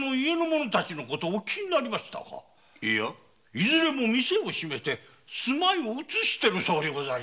いずれも店を閉めて住まいを移してるそうでございます。